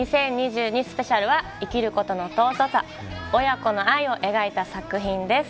スペシャルは生きることの尊さ親子の愛を描いた作品です。